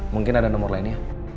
mungkin ada nomor lainnya